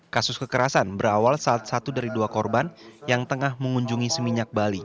kasus kekerasan berawal saat satu dari dua korban yang tengah mengunjungi seminyak bali